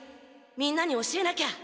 みんなに教えなきゃ。